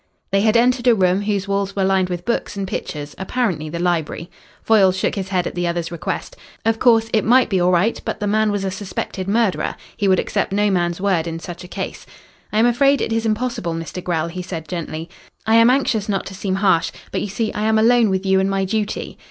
They had entered a room whose walls were lined with books and pictures, apparently the library. Foyle shook his head at the other's request. Of course it might be all right, but the man was a suspected murderer. He would accept no man's word in such a case. "I am afraid it is impossible, Mr. Grell," he said gently. "I am anxious not to seem harsh, but you see I am alone with you and my duty....